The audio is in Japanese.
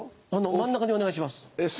真ん中にお願いします。